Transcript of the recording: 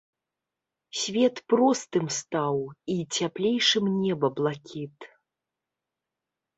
Свет простым стаў і цяплейшым неба блакіт.